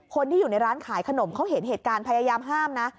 คนที่อยู่ในร้านขายขนมเขาเห็นเหตุการณ์พยายามห้ามนะ